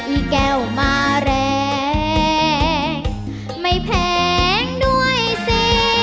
อีแก้วมาแรงไม่แพงด้วยสิ